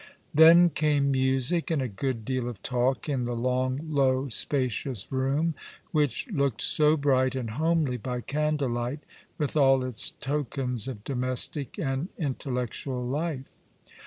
Then came music, and a good deal of talk, in the long, low, spacious room, which looked so bright and homely by candle light, with all its tokens of domestic and intellectual life.